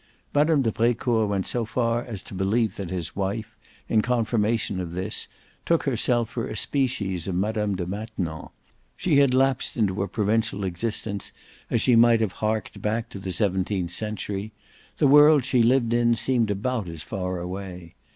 Mme. de Brecourt went so far as to believe that his wife, in confirmation of this, took herself for a species of Mme. de Maintenon: she had lapsed into a provincial existence as she might have harked back to the seventeenth century; the world she lived in seemed about as far away.